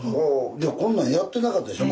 いやこんなんやってなかったでしょ？